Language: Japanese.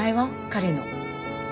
彼の。